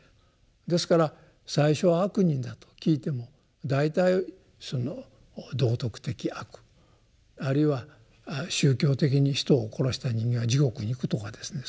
ですから最初は「悪人」だと聞いても大体その道徳的悪あるいは宗教的に人を殺した人間は地獄に行くとかですね